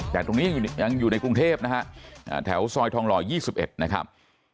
แต่ตรงนี้ยังอยู่ในกรุงเทพนะฮะแถวซอยทองหล่อ๒๑นะครับ